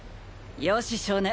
よし少年！